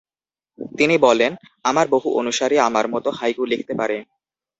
তিনি বলেন,"আমার বহু অনুসারী আমার মতো হাইকু লিখতে পারে।